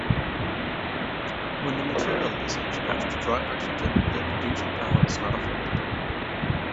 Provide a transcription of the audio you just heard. When this material is exposed to dry oxygen the reducing power is not affected.